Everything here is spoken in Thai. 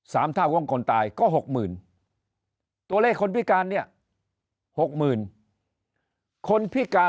สามท่าวงคนตายก็๖๐๐๐๐ตัวเลขคนพิการเนี่ย๖๐๐๐๐คนพิการ